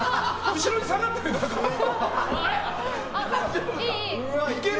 後ろに下がってる。